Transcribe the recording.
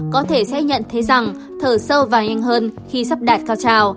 có thể sẽ nhận thấy rằng thở sâu và nhanh hơn khi sắp đạt cao trào